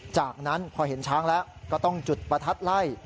จากนั้นพอเห็นช้างแล้วก็ต้องจุดประทัดไล่